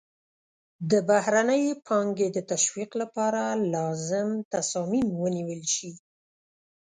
د بهرنۍ پانګې د تشویق لپاره لازم تصامیم ونیول شي.